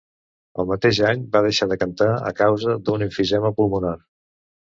El mateix any va deixar de cantar a causa d'un emfisema pulmonar.